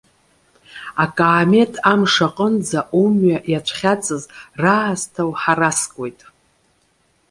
Акаамеҭ амш аҟынӡа умҩа иацәхьаҵыз раасҭа уҳараскуеит.